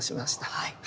はい。